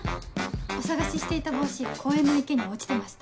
お捜ししていた帽子公園の池に落ちてました。